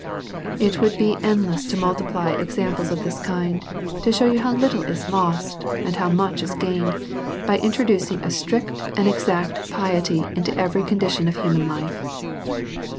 It would be endless to multiply examples of this kind, to shew you how little is lost, and how much is gained, by introducing a strict and exact piety into every condition of human life.